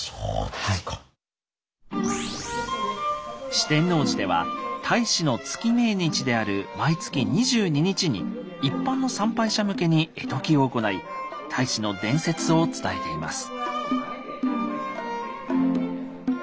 四天王寺では太子の月命日である毎月２２日に一般の参拝者向けに絵解きを行い太子の伝説を伝えています。